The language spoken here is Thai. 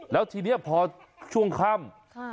แล้วทีนี้พอช่วงค่ำ